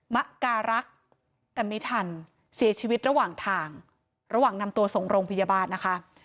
มะการักษ์แต่ไม่ทันเสียชีวิตระหว่างทางระหว่างนำตัวส่งโรงพยาบาลนะคะ